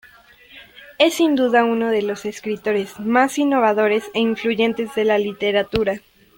Es sin duda uno de los escritores más innovadores e influyentes de la literatura.